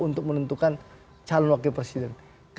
untuk menentukan calon wakil presiden